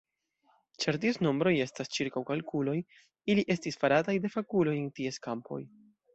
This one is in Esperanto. Ĉar ties nombroj estas ĉirkaŭkalkuloj, ili estis farataj de fakuloj en ties kampoj.